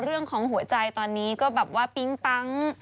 เรื่องของหัวใจตอนนี้ก็แบบว่าปิ๊งปั๊ง